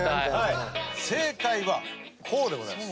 正解はこうでございます。